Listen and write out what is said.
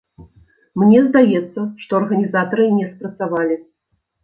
Мне здаецца, што арганізатары не спрацавалі.